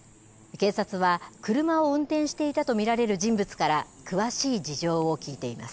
警察は車を運転していたと見られる人物から詳しい事情を聞いています。